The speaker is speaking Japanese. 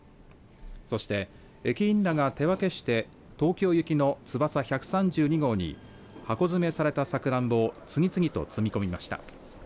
そして、駅員らが手分けして東京行きのつばさ１３２号に箱詰めされたさくらんぼを次々と積み込みました。